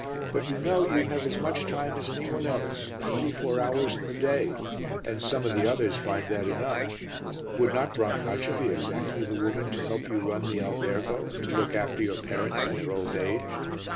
But, you know, you have as much time as any one else, twenty four hours in the day, and some of the others find that enough. Would not Brancaccia be exactly the woman to help you to run the albergo and to look after your parents in their old age?"